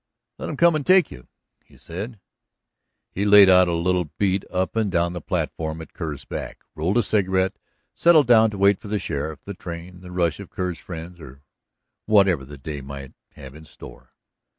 "Let 'em come and take you," he said. He laid out a little beat up and down the platform at Kerr's back, rolled a cigarette, settled down to wait for the sheriff, the train, the rush of Kerr's friends, or whatever the day might have in store.